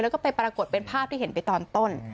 แล้วก็ไปปรากฏเป็นภาพที่เห็นไปตอนต้น